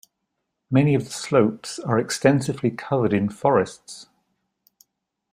Many of the slopes are extensively covered in forests.